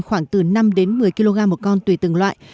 khoảng từ năm đến một mươi kg một con tùy từng loại